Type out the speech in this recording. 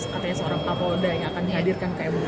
katanya seorang kapolda yang akan dihadirkan ke mk